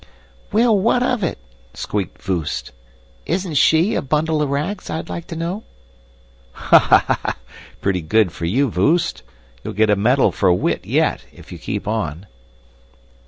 "Well, what of it?" squeaked Voost. "Isn't SHE a bundle of rags, I'd like to know?" "Ha! ha! Pretty good for you, Voost! You'll get a medal for wit yet, if you keep on."